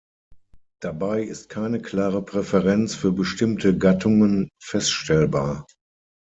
Dabei ist keine klare Präferenz für bestimmte Gattungen feststellbar.